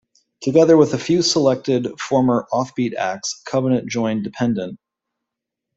Together with a few selected former Off-Beat acts, Covenant joined Dependent.